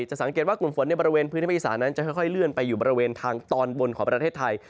สังเกตว่ากลุ่มฝนในบริเวณพื้นที่ภาคอีสานั้นจะค่อยเลื่อนไปอยู่บริเวณทางตอนบนของประเทศไทย